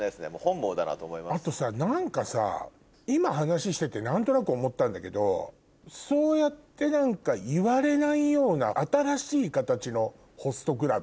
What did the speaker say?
あとさ何かさ今話してて何となく思ったんだけどそうやって何か言われないような。